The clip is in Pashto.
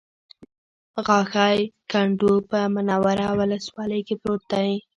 غاښی کنډو په منوره ولسوالۍ کې پروت دی